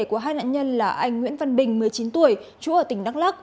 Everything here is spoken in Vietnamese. của hai nạn nhân là anh nguyễn văn bình một mươi chín tuổi chú ở tỉnh đắk lắk